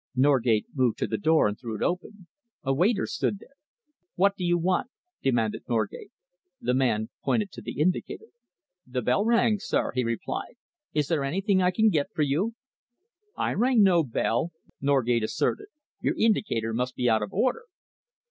Norgate moved to the door and threw it open. A waiter stood there. "What do you want?" demanded Norgate. The man pointed to the indicator. "The bell rang, sir," he replied. "Is there anything I can get for you?" "I rang no bell," Norgate asserted. "Your indicator must be out of order."